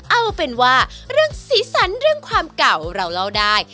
เอาเป็นว่าเรื่องสีสันเรื่องความเก่าเราเล่าได้